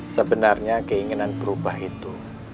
sebenarnya keinginan berubah itu